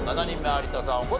７人目有田さん